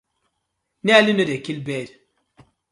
Nearly no dey kill bird: